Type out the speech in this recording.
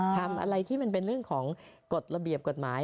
ทำอะไรที่มันเป็นเรื่องของกฎระเบียบกฎหมาย